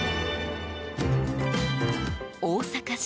大阪市。